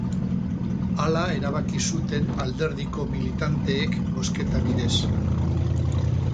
Hala erabaki zuten alderdiko militanteek bozketa bidez.